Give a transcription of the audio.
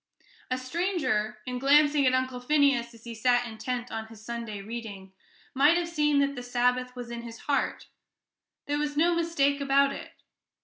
A stranger, in glancing at Uncle Phineas as he sat intent on his Sunday reading, might have seen that the Sabbath was in his heart there was no mistake about it.